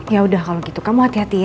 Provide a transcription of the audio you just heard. ya udah kalau gitu kamu hati hati ya